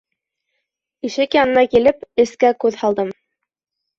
Ишек янына килеп, эскә күҙ һалдым.